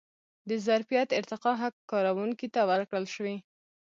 د ظرفیت ارتقا حق کارکوونکي ته ورکړل شوی.